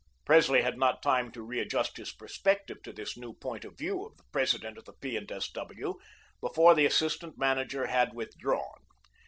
Presley had not time to readjust his perspective to this new point of view of the President of the P. and S. W. before the assistant manager had withdrawn.